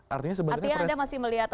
artinya anda masih melihat